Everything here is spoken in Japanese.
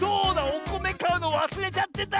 おこめかうのわすれちゃってた！